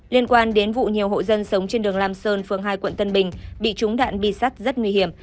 liên quan đến vụ nhiều hộ dân sống trên đường lam sơn phường hai quận tân bình bị trúng đạn bi sắt rất nguy hiểm